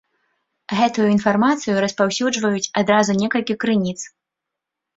Гэтую інфармацыю распаўсюджваюць адразу некалькі крыніц.